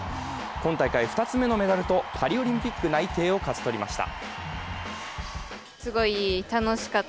今大会２つ目のメダルとパリオリンピック内定を勝ち取りました。